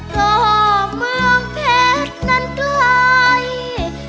ก็เมืองเผ็ดนั้นใกล้